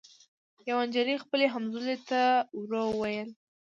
یوې نجلۍ خپلي همزولي ته ورو ووېل